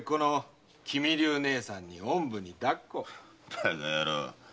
バカ野郎。